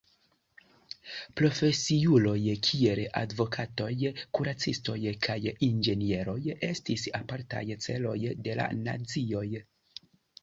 Profesiuloj kiel advokatoj, kuracistoj kaj inĝenieroj estis apartaj celoj de la nazioj.